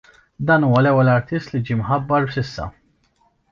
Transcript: Dan huwa l-ewwel artist li ġie mħabbar s'issa.